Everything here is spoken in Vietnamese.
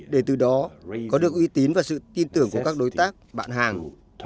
để từ đó có được uy tín và sự tin tưởng của các đối tác bạn hàng